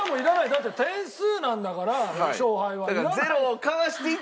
だって点数なんだから勝敗は。